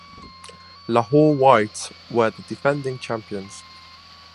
Lahore Whites were the defending champions.